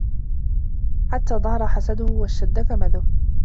حَتَّى ظَهَرَ حَسَدُهُ وَاشْتَدَّ كَمَدُهُ